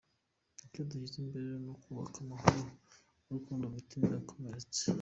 Icyo dushyize imbere n’ukubaka amahoro n’urukundo mu mitima yakomeretse.